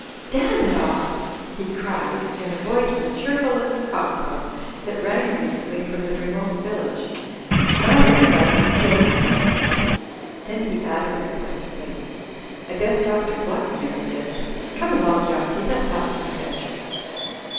"Damn it all," he cried, in a voice as cheerful as the cockcrow that rang recently from the remote village, "it's not everybody who's killed a snake." Then he added, reflectively, "I bet Dr. Gluck never did. Come along, donkey, let's have some adventures."